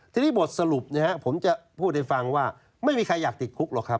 ทีนี้บทสรุปผมจะพูดให้ฟังว่าไม่มีใครอยากติดคุกหรอกครับ